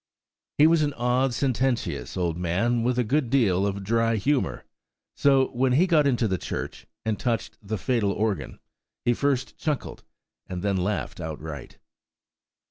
He was an odd, sententious old man, with a good deal of dry humour. So when he got into the church, and touched the fatal organ, he first chuckled and then laughed outright.